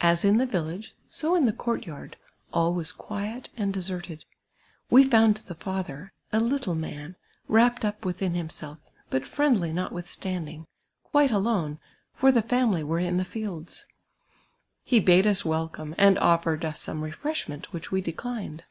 As in the village, so in the court yard, all was quiet and deserted. We found the father, a little man, wrapped up within himself, but friendly notwithstimding, quite alone, for THE PASTOU'S TAMILY. 373 tlio family wore in the fickb. He bade us welcome, nnd offfred us some refreshment, which we declined.